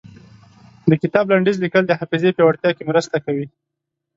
د کتاب لنډيز ليکل د حافظې پياوړتيا کې مرسته کوي.